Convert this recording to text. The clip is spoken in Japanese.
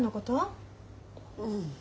うん。